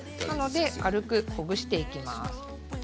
軽くほぐしていきます。